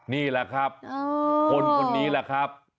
นี่แหละครับคนคนนี้แหละครับ